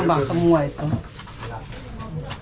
ngambang semua itu